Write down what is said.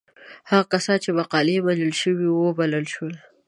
هغه کسان چې مقالې یې منل شوې وې وبلل شول.